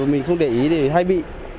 mình không để ý hay bị